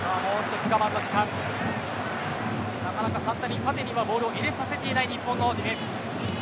なかなか簡単に縦にボールを入れさせていない日本のディフェンスです。